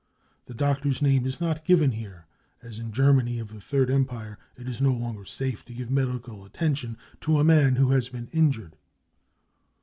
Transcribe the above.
The doctor's name is not given here, as in Germany of the Third Empire it is no longer safe to give medical attention to a man who has been injured.